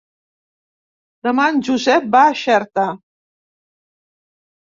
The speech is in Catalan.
Demà en Josep va a Xerta.